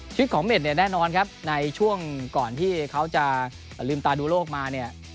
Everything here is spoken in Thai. ชีวิตของเม็ดเนี่ยแน่นอนครับในช่วงก่อนที่เขาจะลืมตาดูโลกมาเนี่ย